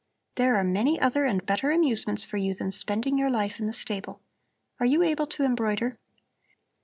There are many other and better amusements for you than spending your life in the stable. Are you able to embroider?"